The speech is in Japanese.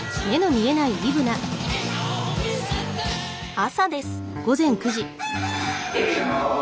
朝です。